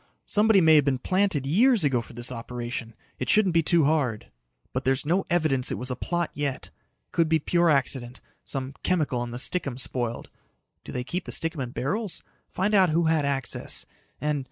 Somebody may've been planted years ago for this operation. It shouldn't be too hard. "But there's no evidence it was a plot yet. Could be pure accident some chemical in the stickum spoiled. Do they keep the stickum in barrels? Find out who had access. And